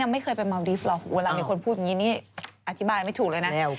ไม่เคยไปเมาดิฟต์หรอกเวลามีคนพูดอย่างนี้นี่อธิบายไม่ถูกเลยนะ